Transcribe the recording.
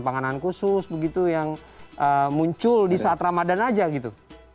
panganan khusus begitu yang muncul di saat ramadan aja gitu